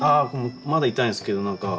まだ痛いんですけど何か。